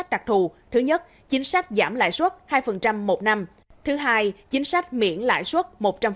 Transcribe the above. đặc thù thứ nhất chính sách giảm lãi suất hai một năm thứ hai chính sách miễn lãi suất một trăm linh